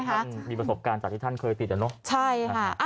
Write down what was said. เพราะท่านมีประสบการณ์จากที่ท่านเคยติดแล้วเนอะ